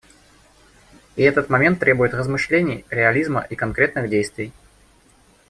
И этот момент требует размышлений, реализма и конкретных действий.